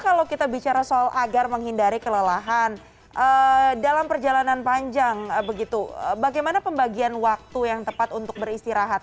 kalau kita bicara soal agar menghindari kelelahan dalam perjalanan panjang begitu bagaimana pembagian waktu yang tepat untuk beristirahat